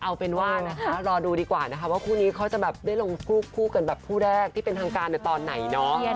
เอาเป็นว่านะคะรอดูดีกว่านะคะว่าคู่นี้เขาจะแบบได้ลงคู่กันแบบคู่แรกที่เป็นทางการในตอนไหนเนาะ